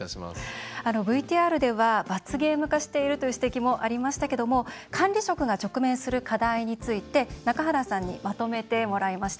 ＶＴＲでは罰ゲーム化しているという指摘もありましたけども管理職が直面する課題について中原さんにまとめてもらいました。